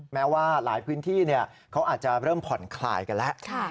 แม้ว่าหลายพื้นที่เขาอาจจะเริ่มผ่อนคลายกันแล้ว